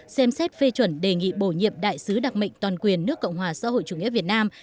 xem xét phê chuẩn đề nghị bổ nhiệm đại sứ đặc mệnh toàn quyền nước cộng hòa xã hội chủ nghĩa việt nam